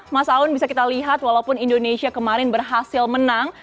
mas aun bisa kita lihat walaupun indonesia kemarin berhasil menang